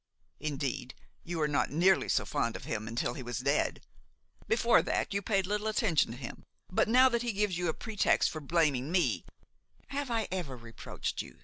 Indeed, you were not nearly so fond of him until he was dead; before that you paid little attention to him; but now that he gives you a pretext for blaming me–" "Have I ever reproached you?"